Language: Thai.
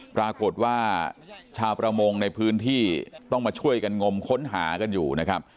ปรากฏว่าชาวประมงในพื้นที่ต้องมาช่วยกันงมค้นหากันอยู่นะครับ